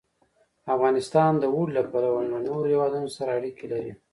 افغانستان د اوړي له پلوه له نورو هېوادونو سره اړیکې لري.